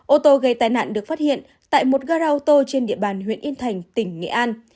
ô tô gây tai nạn được phát hiện tại một gara ô tô trên địa bàn huyện yên thành tỉnh nghệ an